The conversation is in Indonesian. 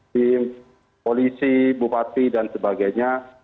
tim polisi bupati dan sebagainya